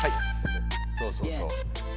そうそうそう。